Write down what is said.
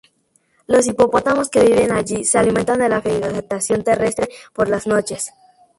Los hipopótamos que viven allí se alimentan de la vegetación terrestre por las noches.